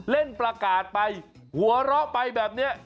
เล่นประกาศไปหัวเราะไปแบบนี้